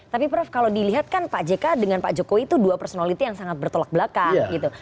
tapi prof kalau dilihat kan pak jk dengan pak jokowi itu dua personality yang sangat bertolak belakang gitu